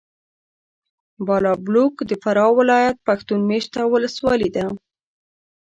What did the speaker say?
بالابلوک د فراه ولایت پښتون مېشته ولسوالي ده.